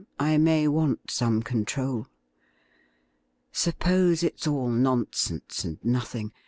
I may want some control. Suppose it's all nonsense and nothing